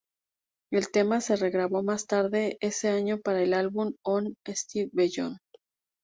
El tema se regrabó más tarde ese año para el álbum One Step Beyond...